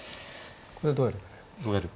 これどうやる。